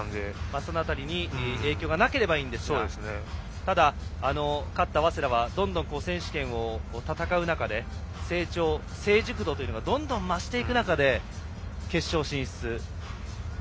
その辺りに影響がなければいいんですがただ、勝った早稲田はどんどん選手権を戦う中で成長、成熟度がどんどん増していく中で決勝進出。